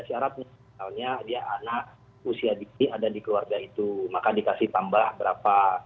syaratnya misalnya dia anak usia dini ada di keluarga itu maka dikasih tambah berapa